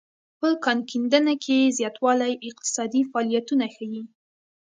په کان کیندنه کې زیاتوالی اقتصادي فعالیتونه ښيي